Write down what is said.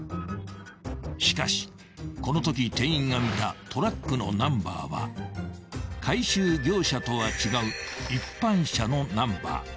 ［しかしこのとき店員が見たトラックのナンバーは回収業者とは違う一般車のナンバー］